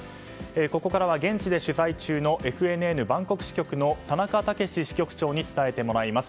ここからは現地で取材中のＦＮＮバンコク支局の田中剛支局長に伝えてもらいます。